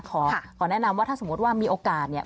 ขอแนะนำว่าถ้าสมมติว่ามีโอกาสเนี่ย